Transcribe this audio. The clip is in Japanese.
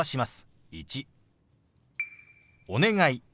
「お願い」。